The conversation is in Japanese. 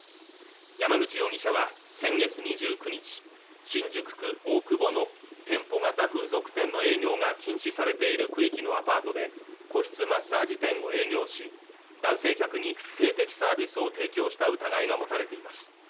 山口容疑者は先月２９日新宿区大久保の店舗型風俗店の営業が禁止されている区域のアパートで個室マッサージ店を営業し男性客に性的サービスを提供した疑いが持たれています